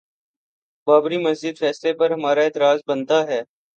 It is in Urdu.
بابری مسجد فیصلے پر ہمارا اعتراض بنتا ہے؟